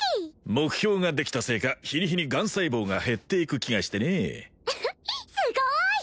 目標ができたせいか日に日にがん細胞が減っていく気がしてねフフッすごーい！